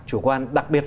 chủ quan đặc biệt